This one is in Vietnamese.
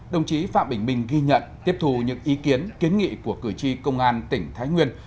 đồng chí phạm bình minh ghi nhận tiếp thù những ý kiến kiến nghị của cử tri công an tỉnh thái nguyên